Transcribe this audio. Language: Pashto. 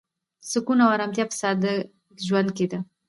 سکون او ارامتیا په ساده ژوند کې ده.